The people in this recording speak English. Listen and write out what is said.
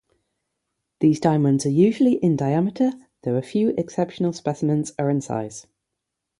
These diamonds are usually in diameter, though a few exceptional specimens are in size.